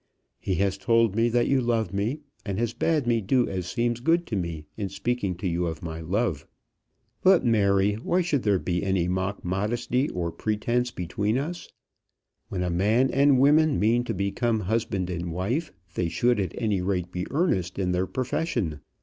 He has told me that you love me, and has bade me do as seems good to me in speaking to you of my love. But, Mary, why should there be any mock modesty or pretence between us? When a man and woman mean to become husband and wife, they should at any rate be earnest in their profession.